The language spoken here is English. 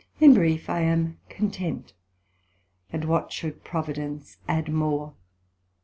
In brief, I am content, and what should providence add more?